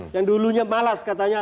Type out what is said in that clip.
yang dulunya malas katanya